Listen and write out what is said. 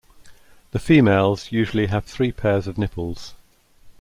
The females usually have three pairs of nipples.